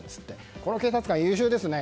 この警察官、優秀ですね